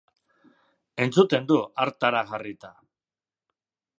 Entzuten du hartara jarrita.